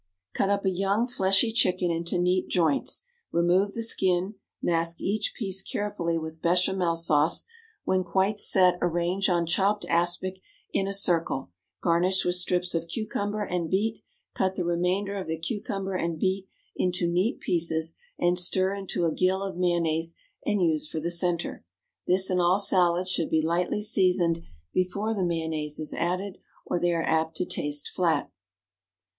1. Cut up a young fleshy chicken into neat joints, remove the skin, mask each piece carefully with béchamel sauce; when quite set arrange on chopped aspic in a circle, garnish with strips of cucumber and beet; cut the remainder of the cucumber and beet into neat pieces, and stir into a gill of mayonnaise, and use for the centre. This and all salads should be lightly seasoned before the mayonnaise is added, or they are apt to taste flat.